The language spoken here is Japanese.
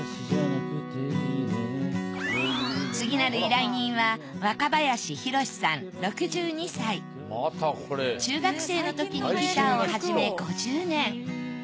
次なる依頼人は中学生のときにギターを始め５０年。